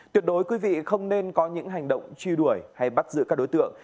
tuyệt đối quý vị không nên có những hành động truy đuổi hay bắt giữ các đối tượng